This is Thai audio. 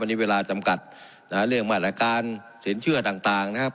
วันนี้เวลาจำกัดหลายเรื่องบรรยาการศีลเชื่อต่างนะครับ